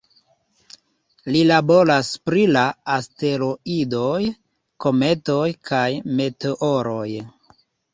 Li laboras pri la asteroidoj, kometoj kaj meteoroj.